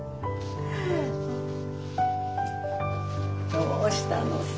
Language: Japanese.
どうしたのさ。